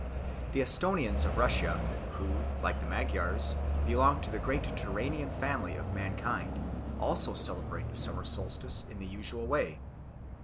The Esthonians of Russia, who, like the Magyars, belong to the great Turanian family of mankind, also celebrate the summer solstice in the usual way.